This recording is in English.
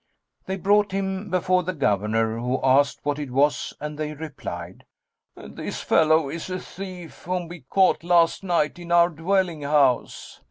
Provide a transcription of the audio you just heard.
They brought him before the Governor, who asked what it was and they replied, "This fellow is a thief, whom we caught last night in our dwelling house."